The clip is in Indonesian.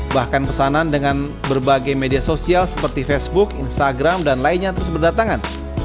bahkan pesanan dengan berbagai media sosial seperti facebook instagram dan lainnya terus berdatangan